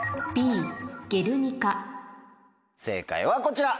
正解はこちら。